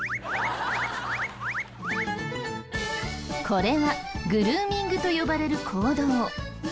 これはグルーミングと呼ばれる行動。